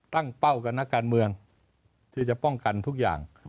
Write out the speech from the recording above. เป้ากับนักการเมืองที่จะป้องกันทุกอย่าง